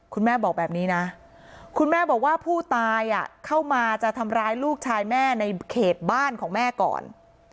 คุณแม่บอกแบบนี้นะคุณแม่บอกว่าผู้ตายเข้ามาจะทำร้ายลูกชายแม่ในเขตบ้านของแม่ก่อน